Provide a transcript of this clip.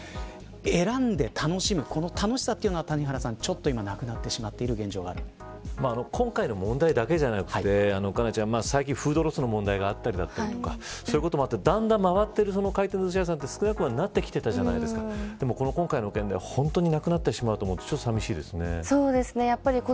選んで楽しむこの楽しさというのは谷原さん、ちょっと今なくなってしまっている今回の問題だけじゃなくて最近、フードロスの問題があったりとかそういうこともあってだんだん回っている回転ずし屋さんが少なくなってきたじゃないですかでも、今回の件で本当になくなってしまうと思うとちょっと寂しいですね。